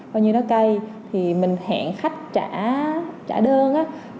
bao nhiêu đó cây thì mình hẹn khách trả đơn